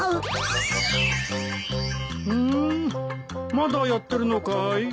まだやってるのかい？